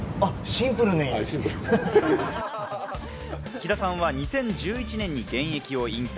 喜田さんは２０１１年に現役を引退。